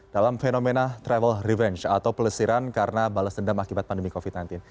dalam fenomena travel revenge atau pelesiran karena balas dendam akibat pandemi covid sembilan belas